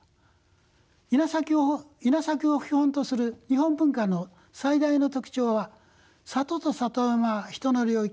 稲作を基本とする日本文化の最大の特徴は里と里山は人の領域